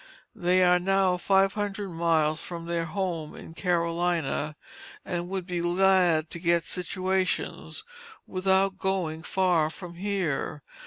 They are now five hundred miles from their home in Carolina, and would be glad to get situations, without going far from here.